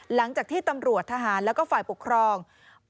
หลังจากที่ตำรวจทหารแล้วก็ฝ่ายปกครอง